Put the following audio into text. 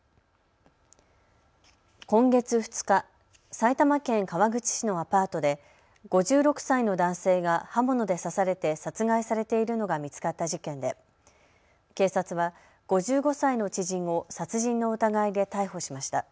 今月２日、埼玉県川口市のアパートで５６歳の男性が刃物で刺されて殺害されているのが見つかった事件で警察は５５歳の知人を殺人の疑いで逮捕しました。